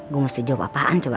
gue mesti jawab apaan coba